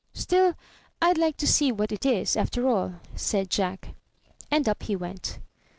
*' ''Still, rd like to see what it is, after all," said Jack; and up he went.